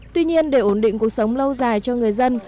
tuy nhiên để ổn định cuộc sống lâu dài cho người dân